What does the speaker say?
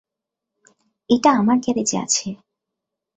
এটা আমার গ্যারাজে আছে!